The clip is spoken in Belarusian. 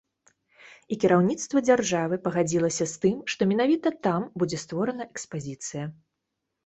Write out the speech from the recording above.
І кіраўніцтва дзяржавы пагадзілася з тым, што менавіта там будзе створаная экспазіцыя.